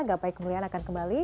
gapai kemuliaan akan kembali